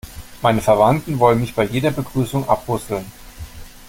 Meine Verwandten wollen mich bei jeder Begrüßung abbusseln.